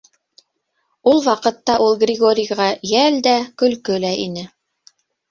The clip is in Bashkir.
Ул ваҡытта ул Григорийға йәл дә, көлкө лә ине.